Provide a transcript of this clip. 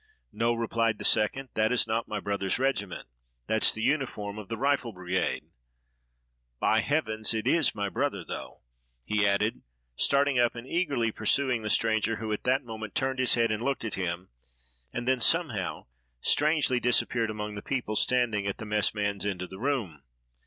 "No," replied the second, "that is not my brother's regiment; that's the uniform of the rifle brigade. By heavens! it is my brother, though," he added, starting up and eagerly pursuing the stranger, who at that moment turned his head and looked at him, and then, somehow, strangely disappeared among the people standing at the messman's end of the room.